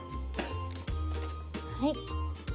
はい。